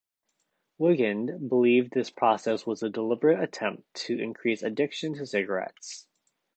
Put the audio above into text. Wigand believed this process was a deliberate attempt to increase addiction to cigarettes.